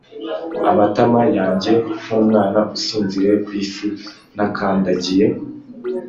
amatama yanjye nkumwana usinziriye kwisi nakandagiye.